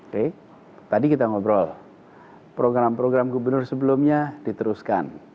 oke tadi kita ngobrol program program gubernur sebelumnya diteruskan